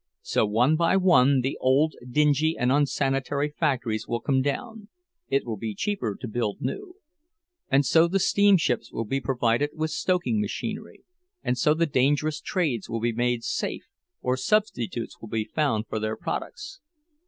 So one by one the old, dingy, and unsanitary factories will come down—it will be cheaper to build new; and so the steamships will be provided with stoking machinery, and so the dangerous trades will be made safe, or substitutes will be found for their products.